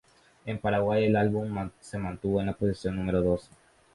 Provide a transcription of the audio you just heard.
En Paraguay el álbum se mantuvo en la posición número doce.